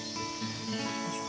よいしょ。